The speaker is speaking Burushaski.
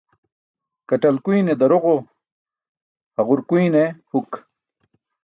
Kaṭlakuyne daroġo, haġurkuyne huk.